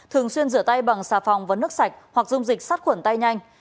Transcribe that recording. thường xuyên rửa tay bằng xà phòng và nước sạch hoặc dung dịch sát khuẩn tay nhanh